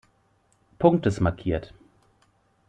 Punktes markiert.